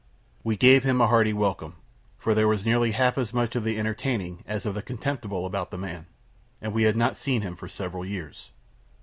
We gave him a hearty welcome; for there was nearly half as much of the entertaining as of the contemptible about the man, and we had not seen him for several years.